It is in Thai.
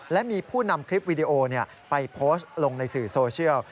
และมีผู้นำคลิปวิดีโอไปโพสต์ลงในสื่อโซเชียล